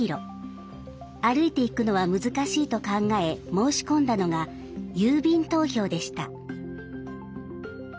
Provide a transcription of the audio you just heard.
歩いて行くのは難しいと考え申し込んだのが郵便投票でした。